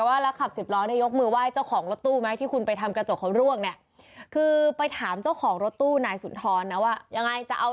แต่คนที่ยกมือไว้คือคนขับรถตู้นะ